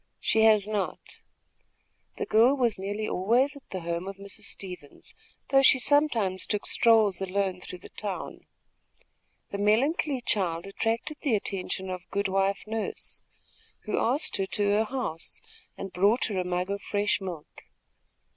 "She has not." The girl was nearly always at the home of Mrs. Stevens, though she sometimes took strolls alone through the town. The melancholy child attracted the attention of Good wife Nurse, who asked her to her house and brought her a mug of fresh milk.